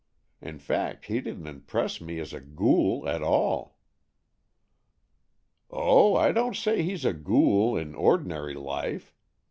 In fact, he didn't impress me as a ghoul at all." " Oh, I don't say he's a ghoul in ordinary life.